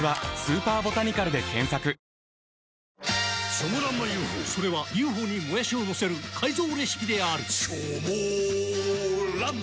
チョモランマＵ．Ｆ．Ｏ．それは「Ｕ．Ｆ．Ｏ．」にもやしをのせる改造レシピであるチョモランマ